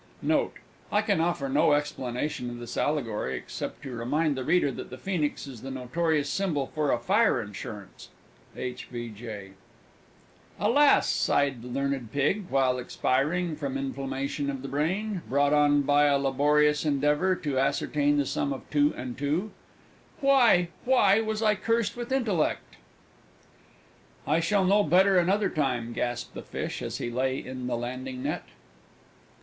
Note. I can offer no explanation of this allegory, except to remind the reader that the Phoenix is the notorious symbol for a fire insurance. H. B. J. "Alas!" sighed the Learned Pig, while expiring from inflammation of the brain, brought on by a laborious endeavour to ascertain the sum of two and two, "Why, why was I cursed with Intellect?" "I shall know better another time!" gasped the Fish, as he lay in the Landing net.